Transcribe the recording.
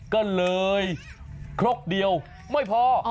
ก็เลยครกเดียวไม่พอ